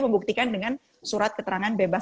membuktikan dengan surat keterangan bebas